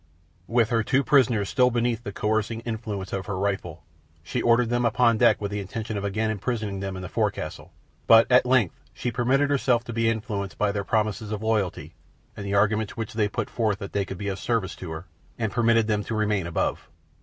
With her two prisoners still beneath the coercing influence of her rifle, she ordered them upon deck with the intention of again imprisoning them in the forecastle; but at length she permitted herself to be influenced by their promises of loyalty and the arguments which they put forth that they could be of service to her, and permitted them to remain above.